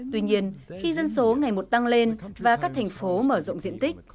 tuy nhiên khi dân số ngày một tăng lên và các thành phố mở rộng diện tích